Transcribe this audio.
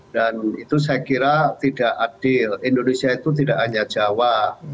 dan itu saya kira tidak adil indonesia itu tidak hanya jawa